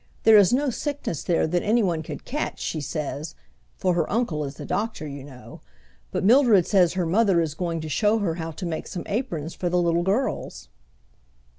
There is no sickness there that anyone could catch, she says (for her uncle is the doctor, you know), but Mildred says her mother is going to show her how to make some aprons for the little girls."